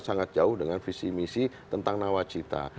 sangat jauh dengan visi misi tentang nawacita